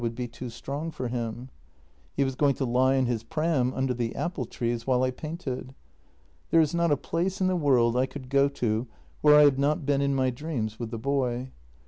ould be too strong for him. He was going to lie in his pram under the apple trees while I painted. There is not a place in the world I could go to where I have not been in my dreams with the boy.